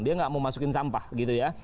dia nggak mau masukin sampah gitu ya